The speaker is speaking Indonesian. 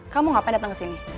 kamu ngapain dateng kesini